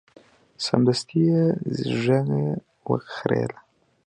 سمدستي یې ږیره وخریله.